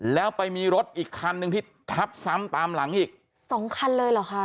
แล้วไปมีรถอีกคันหนึ่งที่ทับซ้ำตามหลังอีกสองคันเลยเหรอคะ